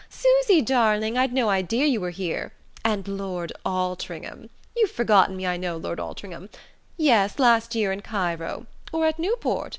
Susy darling! I'd no idea you were here... and Lord Altringham! You've forgotten me, I know, Lord Altringham.... Yes, last year, in Cairo... or at Newport...